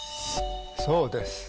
そうです。